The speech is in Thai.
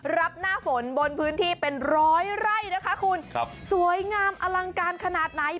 รับหน้าฝนบนพื้นที่เป็นร้อยไร่สวยงามอลังการขนาดไหน